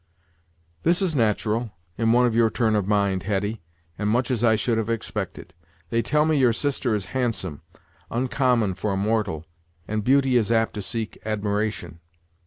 "This is nat'ral in one of your turn of mind, Hetty, and much as I should have expected. They tell me your sister is handsome oncommon, for a mortal; and beauty is apt to seek admiration."